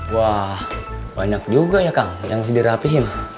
wah banyak juga ya kang yang dirapihin